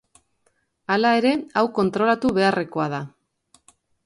Hala ere, hau kontrolatu beharrekoa da.